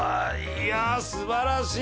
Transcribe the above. いやすばらしい！